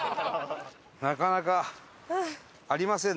なかなかありませんな。